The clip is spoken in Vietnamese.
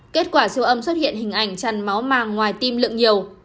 kết quả siêu âm xuất hiện hình ảnh tràn máu màng ngoài tim lượng nhiều